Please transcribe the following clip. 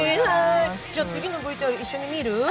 次のＶＴＲ、一緒に見る？